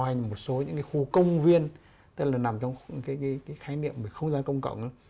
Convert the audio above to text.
hay một số những cái khu công viên tức là nằm trong cái khái niệm không gian công cộng